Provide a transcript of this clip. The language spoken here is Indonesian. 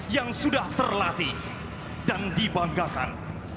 yang sudah terlatih dan dibanggakan